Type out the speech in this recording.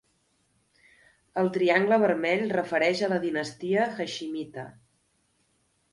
El triangle vermell refereix a la dinastia Haiximita.